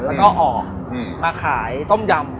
แล้วก็ออกมาขายต้มยำ